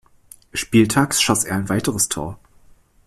Spieltags schoss er ein weiteres Tor.